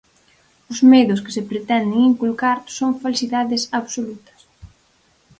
Os medos que se pretenden inculcar son falsidades absolutas.